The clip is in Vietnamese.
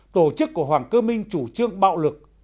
tổ chức của hoàng cơ minh chủ trương bạo lực